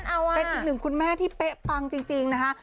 เอาเป็นอีกหนึ่งคุณแม่ที่เป๊ะปังจริงนะคะ